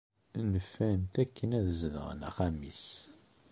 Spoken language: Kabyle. Nfan-t akken ad zedɣen axxam-is.